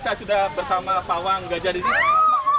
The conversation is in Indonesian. saya sudah bersama pawang gajah di sini